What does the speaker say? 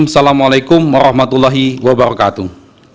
assalamu alaikum warahmatullahi wabarakatuh